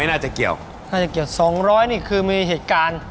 น่าจะเกี่ยว๒๐๐นี่คือมีเหตุการณ์